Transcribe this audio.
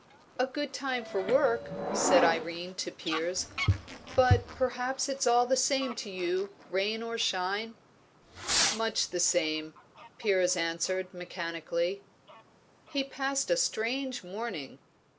"A good time for work," said Irene to Piers. "But perhaps it's all the same to you, rain or shine? "Much the same," Piers answered mechanically. He passed a strange morning.